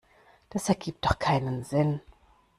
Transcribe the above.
Das ergibt doch keinen Sinn.